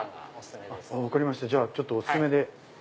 分かりましたじゃあお薦めで。